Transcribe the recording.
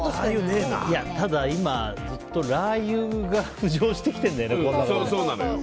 ただ、今、ずっとラー油が浮上してきてるんだよね。